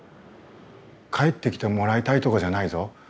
帰ってきてもらいたいとかじゃないぞ。